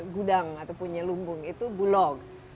gudang atau punya lumbung itu bulog